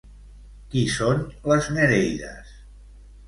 Qui són les nereides?